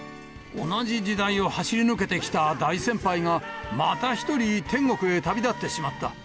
同じ時代を走り抜けてきた大先輩が、また一人、天国へ旅立ってしまった。